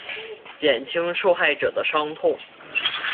减轻受害者的伤痛